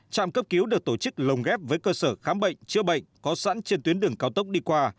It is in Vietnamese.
trạm cấp cứu được tổ chức lồng ghép với cơ sở khám bệnh chữa bệnh có sẵn trên tuyến đường cao tốc đi qua